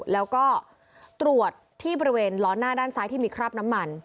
แล้วก็ตรวจที่บริเวณล้อหน้าด้านซ้ายที่มีคราบน้ำมัน